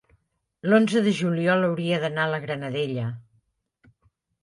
l'onze de juliol hauria d'anar a la Granadella.